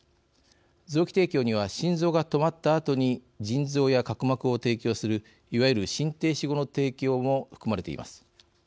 臓器提供には心臓が止まったあとに腎臓や角膜を提供するいわゆる心停止後の提供も含まれています。